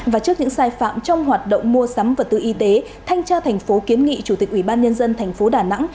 và trước những sai phạm trong hoạt động mua sắm vật tư y tế thanh tra thành phố kiến nghị chủ tịch ủy ban nhân dân thành phố đà nẵng